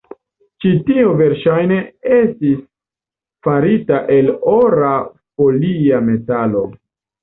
Ĉi tio verŝajne estis farita el ora folia metalo.